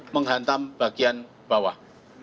menghantam bagian bawah